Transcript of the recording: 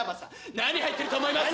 何入ってると思います？